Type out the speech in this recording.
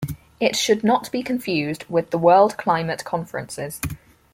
It should not be confused with the World Climate Conferences.